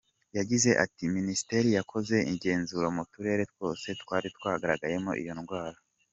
Yagize ati “Minisiteri yakoze igenzura mu turere twose twari twagaragayemo iyo ndwara.